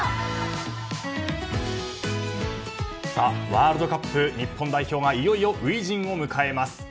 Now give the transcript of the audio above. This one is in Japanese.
ワールドカップ日本代表がいよいよ初陣を迎えます。